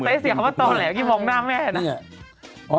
แต่ฉันสัตย์เสียเขาว่าต่อแหละเมื่อกี้มองหน้าแม่น่ะ